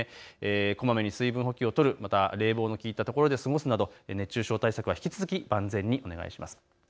こまめに水分補給をとる、また冷房のきいたところで過ごすなど熱中症対策は引き続き万全にお願いします。